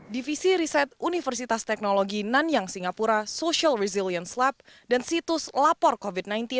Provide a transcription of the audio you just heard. divisi riset universitas teknologi nanyang singapura social resilience lab dan situs lapor covid sembilan belas